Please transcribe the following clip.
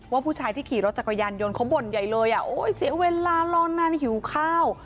ว่าผู้ชายที่ขี่รถจักรยานยนต์เขาบ่นใหญ่เลยอ่ะโอ้ยเสียเวลารอนานหิวข้าว